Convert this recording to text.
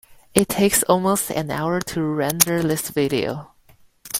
It takes almost an hour to render this video.